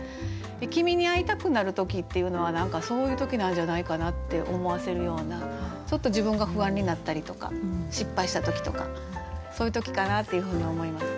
君に会いたくなる時っていうのは何かそういう時なんじゃないかなって思わせるようなちょっと自分が不安になったりとか失敗した時とかそういう時かなっていうふうに思います。